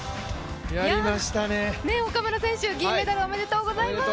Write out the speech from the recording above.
岡村選手銀メダル、おめでとうございます！